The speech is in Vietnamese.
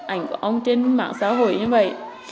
ảnh của ông trên mạng xã hội như vậy